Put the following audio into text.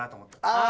ああ。